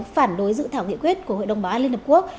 phản đối dự thảo nghị quyết của hội đồng báo án liên hợp quốc